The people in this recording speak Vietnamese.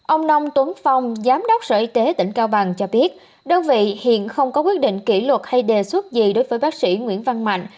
ông nông tuấn phong giám đốc sở y tế tỉnh cao bằng cho biết đơn vị hiện không có quyết định kỷ luật hay đề xuất gì đối với bác sĩ nguyễn văn mạnh